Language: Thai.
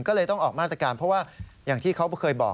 ก็เลยต้องออกมาตรการเพราะว่าอย่างที่เขาเคยบอก